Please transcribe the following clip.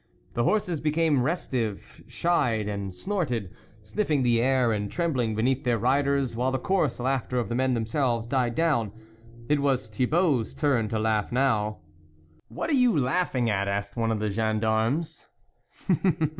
The horses became restive, shied and snorted, sniffing the air and trembling beneath their riders, while the coarse laughter of the men themselves died down. It was Thibault's turn to laugh now. " What are you laughing at ?" asked one of the gendarmes.